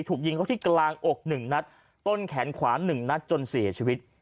ถูกยิงเขาที่กลางอก๑นัดต้นแขนขวา๑นัดจนเสียชีวิต